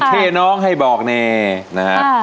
สิท้าน้องให้บอกแน่นะฮะ